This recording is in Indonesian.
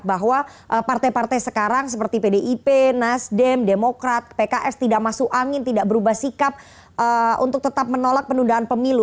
bahwa partai partai sekarang seperti pdip nasdem demokrat pks tidak masuk angin tidak berubah sikap untuk tetap menolak penundaan pemilu